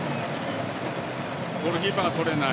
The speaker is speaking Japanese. ゴールキーパーは取れない。